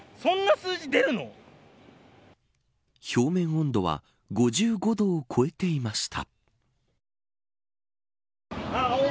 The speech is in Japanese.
表面温度は５５度を超えていました。